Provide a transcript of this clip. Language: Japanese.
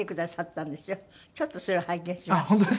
ちょっとそれを拝見します。